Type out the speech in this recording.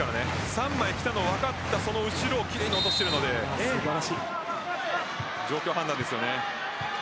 ３枚きたのを分かったその後ろを奇麗に落としているので状況判断ですね。